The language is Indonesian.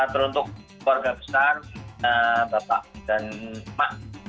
terutuk keluarga besar bapak dan emak